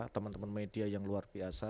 teman teman media yang luar biasa